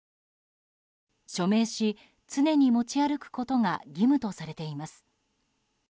署名し、常に持ちあることが義務とされています。